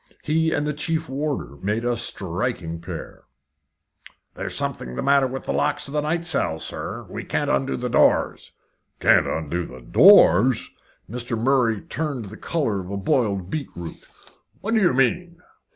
He and the chief warder made a striking pair. "There's something the matter with the locks of the night cells, sir. We can't undo the doors." "Can't undo the doors!" Mr. Murray turned the colour of a boiled beetroot. "What do you mean?"